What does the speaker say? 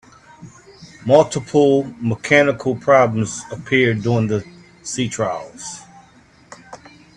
Multiple mechanical problems appeared during the sea trials.